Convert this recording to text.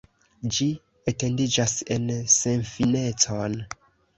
Ĝi etendiĝas en senfinecon.